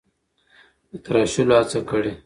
د تراشلو هڅه کړې: